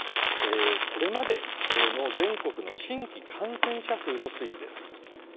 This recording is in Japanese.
これまでの全国の新規感染者数の推移です。